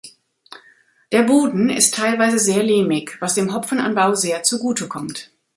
Der Boden ist teilweise sehr lehmig, was dem Hopfenanbau sehr zugutekommt.